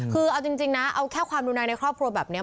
คือเอาจริงนะเอาแค่ความรุนแรงในครอบครัวแบบนี้